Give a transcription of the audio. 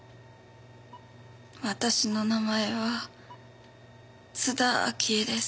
私の名前は津田明江です。